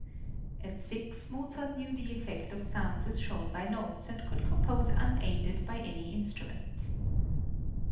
At six Mozart knew the effect of sounds as shown by notes, and could compose unaided by any instrument.